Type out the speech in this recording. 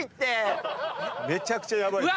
めちゃくちゃヤバいです。